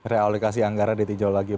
realikasi anggaran ditinjau lagi